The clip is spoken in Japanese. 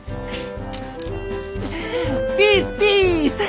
ピースピース！